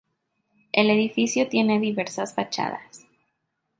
El edificio tiene diversas fachadas.